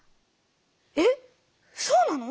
えっそうなの？